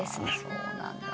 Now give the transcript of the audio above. そうなんだ。